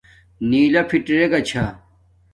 نݵلݳ فَٹݵگݳ چھݳ.